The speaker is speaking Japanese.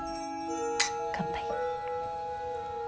乾杯。